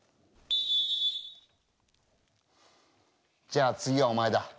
じゃあ次はお前だ。